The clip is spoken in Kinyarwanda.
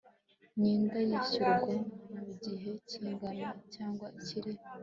myenda yishyurwa mu gihe kingana cyangwa kiri